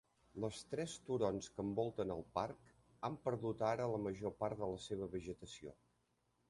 Les tres turons que envolten el parc han perdut ara la major part de la seva vegetació.